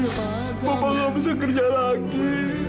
bapak gak bisa kerja lagi